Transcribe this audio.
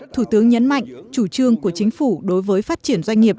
thủ tướng nhấn mạnh chủ trương của chính phủ đối với phát triển doanh nghiệp